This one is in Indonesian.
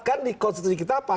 kan dikonsentrasi kita